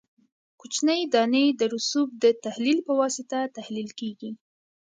کوچنۍ دانې د رسوب د تحلیل په واسطه تحلیل کیږي